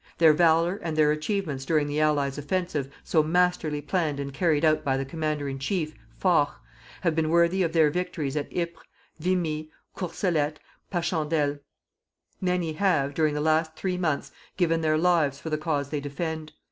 Their valour and their achievements during the Allies' offensive so masterly planned and carried out by the Commander in Chief, Foch, have been worthy of their victories at Ypres, Vimy, Courcelette, Passchandaele. Many have, during the last three months, given their lives for the cause they defend.